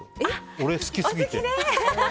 俺、好きすぎて。